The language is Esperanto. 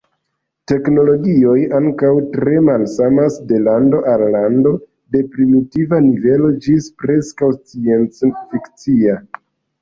Teknologioj ankaŭ tre malsamas de lando al lando, de primitiva nivelo ĝis preskaŭ scienc-fikcia.